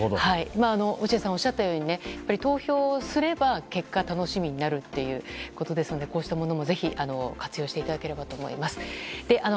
落合さんがおっしゃったように投票をすれば結果が楽しみになるということでこうしたものもぜひ活用していただければと思います。